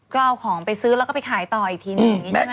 ก็เอาของไปซื้อแล้วก็ไปขายต่ออีกทีหนึ่งอย่างนี้ใช่ไหม